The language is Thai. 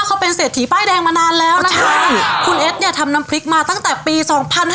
คุณเอสเนี่ยทำน้ำพริกมาตั้งแต่ปี๒๕๔๙เลยอะฮะ